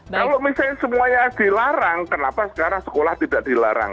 kalau misalnya semuanya dilarang kenapa sekarang sekolah tidak dilarang